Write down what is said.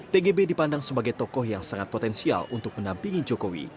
tgb dipandang sebagai tokoh yang sangat potensial untuk mendampingi jokowi